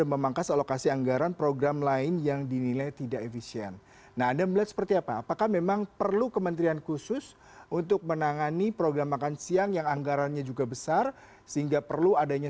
pemirsa pemerintahan prabowo gibran